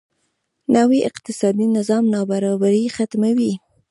نوی اقتصادي نظام نابرابري ختموي.